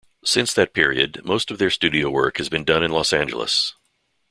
Since that period, most of their studio work has been done in Los Angeles.